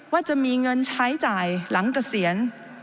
ว่าจะมีเงินใช้จ่ายหลังเกษียณ